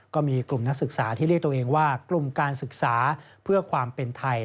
ก็มีกลุ่มนักศึกษาที่เรียกตัวเองว่ากลุ่มการศึกษาเพื่อความเป็นไทย